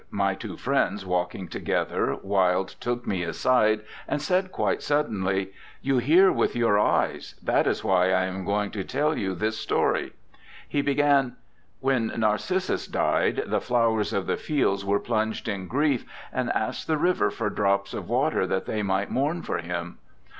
My two friends walking together, Wilde took me aside and said quite suddenly, 'You hear with your eyes; that is why I am going to tell you this story.' He began: 'When Narcissus died, the Flowers of the Fields were plunged in grief, and asked the River for drops of water that they might mourn for him.